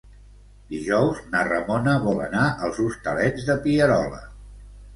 Dijous na Ramona vol anar als Hostalets de Pierola.